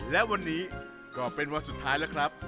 และวันนี้ก็เป็นวันสุดท้ายแล้วครับ